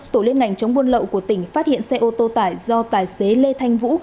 tổ liên ngành chống buôn lậu của tỉnh phát hiện xe ô tô tải do tài xế lê thanh vũ